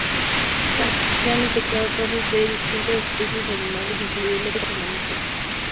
Se han detectado casos en distintas especies animales, incluyendo peces, aves y mamíferos.